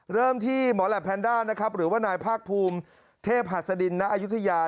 เริ่มที่หมอแหลปแพนด้านะครับหรือว่านายภาคภูมิเทพหัสดินณอายุทยา